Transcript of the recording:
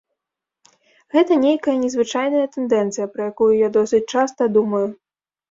Гэта нейкая незвычайная тэндэнцыя, пра якую я досыць часта думаю.